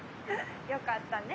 よかったね。